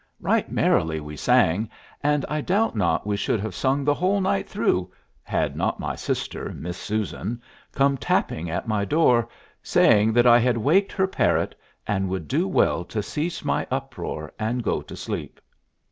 Right merrily we sang, and I doubt not we should have sung the whole night through had not my sister, Miss Susan, come tapping at my door, saying that I had waked her parrot and would do well to cease my uproar and go to sleep.